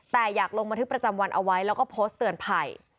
แต่อยากลงบันทึกประจำวันเอาไว้แล้วก็โพสต์เตือนภัย